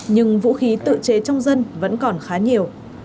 nhưng vũ khí tự chế trong dân vẫn còn khá nhiều